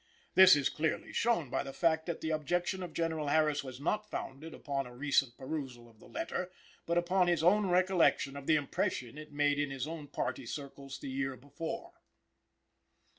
This is clearly shown by the fact that the objection of General Harris was not founded upon a recent perusal of the letter, but upon his own recollection of the impression it made in his own party circles the year before.